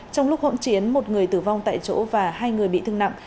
trong lúc hỗn chiến một người tử vong tại chỗ và hai người bị thương nặng